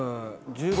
１５？」